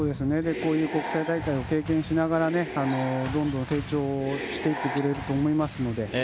こういう国際大会を経験しながらどんどんと成長していってくれると思いますので。